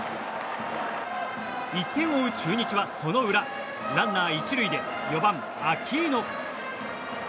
１点を追う中日はその裏ランナー１塁で４番、アキーノ。